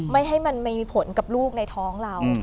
ไม่ให้มันไม่มีผลกับลูกในท้องเรา